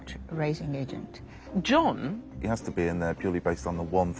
ジョンは？